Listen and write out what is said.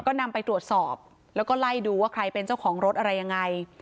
ก็นำไปตรวจสอบแล้วก็ไล่ดูว่าใครเป็นเจ้าของรถอะไรยังไง